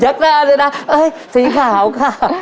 ยักษ์หน้าเลยนะเอ๊ะสีขาวค่ะ